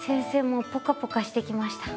もうポカポカしてきました。